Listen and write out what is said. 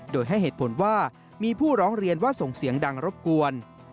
โดยให้เหตุผลว่ามีผู้ร้องเรียนว่าส่งเสียงดังรบกวน